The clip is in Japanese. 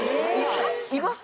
います？